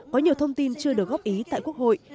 có nhiều thông tin chưa được góp ý tại quốc hội